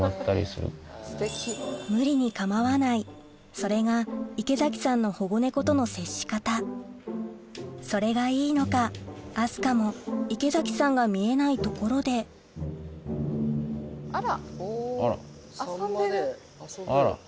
それが池崎さんの保護猫との接し方それがいいのか明日香も池崎さんが見えない所であら。